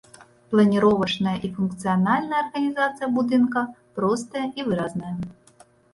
Планіровачная і функцыянальная арганізацыя будынка простая і выразная.